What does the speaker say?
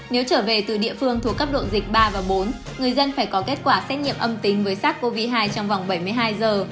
nếu trở về từ địa phương thuộc cấp độ dịch ba và bốn người dân phải có kết quả xét nghiệm âm tính với sars cov hai trong vòng bảy mươi hai giờ